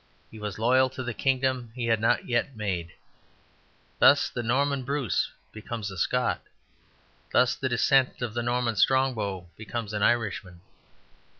He was loyal to the kingdom he had not yet made. Thus the Norman Bruce becomes a Scot; thus the descendant of the Norman Strongbow becomes an Irishman.